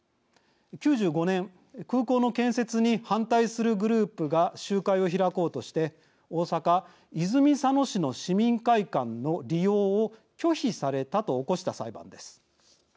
９５年、空港の建設に反対するグループが集会を開こうとして大阪・泉佐野市の市民会館の利用を拒否されたと起こした裁判です。